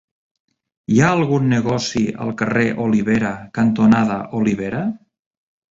Hi ha algun negoci al carrer Olivera cantonada Olivera?